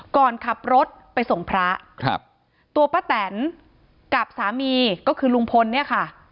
ก่อนขับรถไปส่งพระครับตัวป้าแตนกับสามีก็คือลุงพลเนี่ยค่ะ